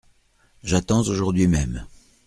J'attends aujourd'hui même …